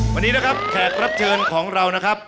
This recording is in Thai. วันนี้นะครับแขกรับเชิญของเรานะครับ